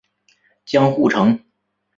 江户城。